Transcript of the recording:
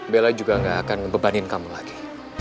bella juga gak akan ngebebanin kamu lagi